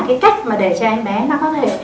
cái cách mà để cho em bé nó có thể